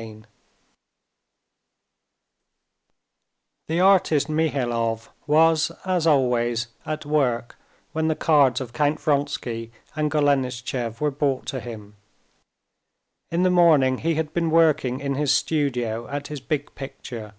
Chapter 10 The artist Mihailov was, as always, at work when the cards of Count Vronsky and Golenishtchev were brought to him. In the morning he had been working in his studio at his big picture.